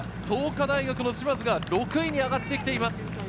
創価大学の嶋津が６位に上がってきています。